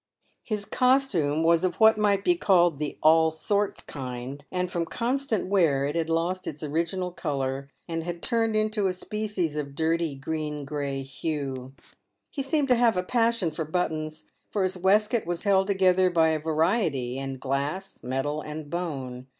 His costume was of what might be called " the all sorts" kind, and from constant wear it had lost its original colour and had turned into a species of dirty green grey hue. He seemed to have a passion for buttons, for his waistcoat was held together by a variety in glass, metal, and bone.